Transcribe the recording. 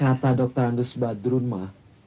kata dokter randus badun pak